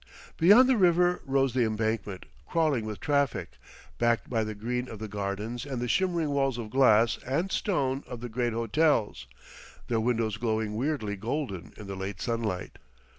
Beyond the river rose the Embankment, crawling with traffic, backed by the green of the gardens and the shimmering walls of glass and stone of the great hotels, their windows glowing weirdly golden in the late sunlight.